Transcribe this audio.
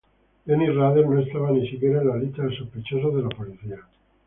Dennis Rader no estaba ni siquiera en la lista de sospechosos de la policía.